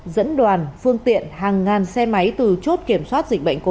dẫn đoàn phương tiện hàng ngàn xe máy từ chốt kiểm tra đến tỉnh bình phước